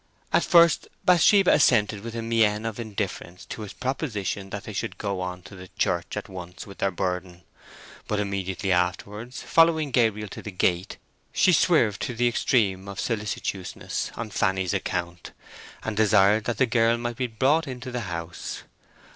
At first Bathsheba assented with a mien of indifference to his proposition that they should go on to the church at once with their burden; but immediately afterwards, following Gabriel to the gate, she swerved to the extreme of solicitousness on Fanny's account, and desired that the girl might be brought into the house.